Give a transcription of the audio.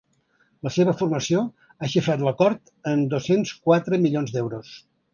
La seva formació ha xifrat l’acord en dos-cents quatre milions d’euros.